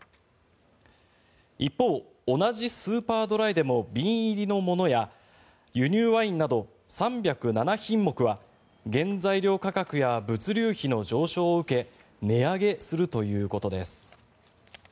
一方、同じスーパードライでも瓶入りのものや輸入ワインなど３０７品目は原材料価格や物流費の上昇を受け値上げするということです。